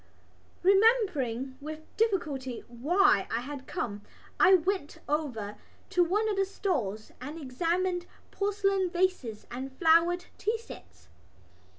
Remembering with difficulty why I had come I went over to one of the stalls and examined porcelain vases and flowered tea sets.